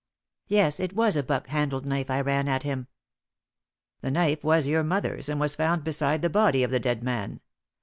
"Yes, it was with a buck handled knife I ran at him!" "The knife was your mother's, and was found beside the body of the dead man.